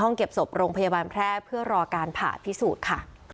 เก็บศพโรงพยาบาลแพร่เพื่อรอการผ่าพิสูจน์ค่ะ